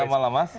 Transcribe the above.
selamat malam mas